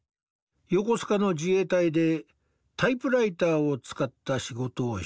横須賀の自衛隊でタイプライターを使った仕事をしていた。